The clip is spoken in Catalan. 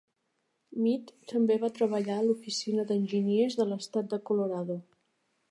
Mead també va treballar per l'Oficina d'Enginyers de l'Estat de Colorado.